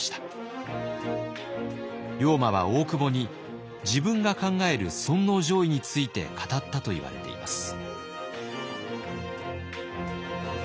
龍馬は大久保に自分が考える尊皇攘夷について語ったといわれています。